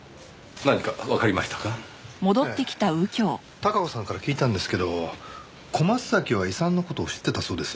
貴子さんから聞いたんですけど小松崎は遺産の事を知ってたそうです。